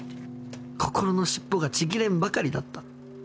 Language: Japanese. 心のシッポが千切れんばかりだった。